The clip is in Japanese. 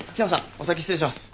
お先失礼します。